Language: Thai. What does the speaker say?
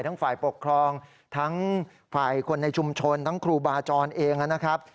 ฝ่ายปกครองทั้งฝ่ายคนในชุมชนทั้งครูบาจรเองนะครับ